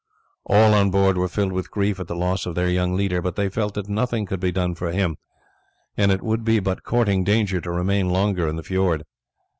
All on board were filled with grief at the loss of their young leader, but they felt that nothing could be done for him, and it would be but courting danger to remain longer in the fiord.